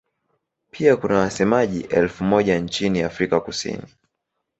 Pia kuna wasemaji elfu moja nchini Afrika Kusini.